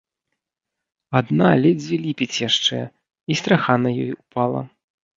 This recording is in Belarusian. Адна ледзьве ліпіць яшчэ, і страха на ёй упала.